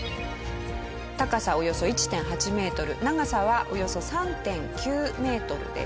高さおよそ１．８メートル長さはおよそ３．９メートルです。